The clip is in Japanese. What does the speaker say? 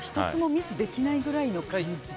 １つもミスできないくらいの。